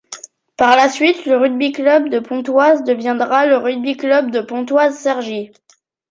Par la suite le Rugby Club de Pontoise deviendra le Rugby Club de Pontoise-Cergy.